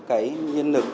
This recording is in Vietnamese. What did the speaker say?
các nhân lực